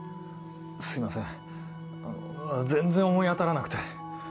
すいません全然思い当たらなくて。